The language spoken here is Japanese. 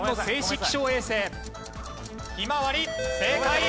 正解！